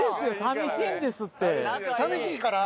寂しいから？